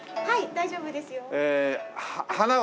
大丈夫ですよ。